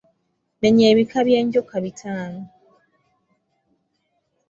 Menya ebika by'enjoka bitaano.